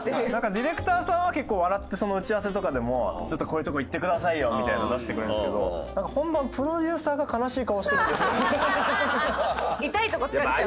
ディレクターさんは結構笑ってその打ち合わせとかでも「ちょっとこういうとこ言ってくださいよ」みたいなの出してくれるんですけど痛いとこ突かれちゃう。